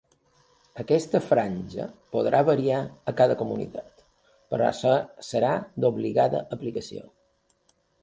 Aquesta franja podrà variar a cada comunitat, però serà d’obligada aplicació.